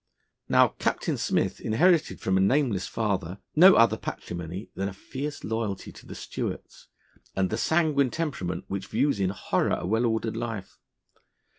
Now, Captain Smith inherited from a nameless father no other patrimony than a fierce loyalty to the Stuarts, and the sanguine temperament which views in horror a well ordered life.